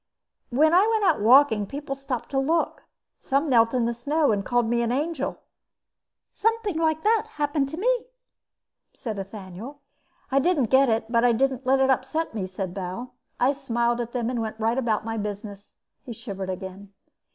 "When I went out walking people stopped to look. Some knelt in the snow and called me an angel." "Something like that happened to me," said Ethaniel. "I didn't get it but I didn't let it upset me," said Bal. "I smiled at them and went about my business." He shivered again.